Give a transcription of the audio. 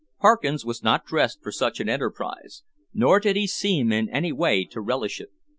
Parkins was not dressed for such an enterprise, nor did he seem in any way to relish it.